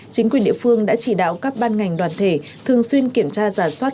chính quyền địa phương đã chỉ đạo các ban ngành đoàn thể thường xuyên kiểm tra giả soát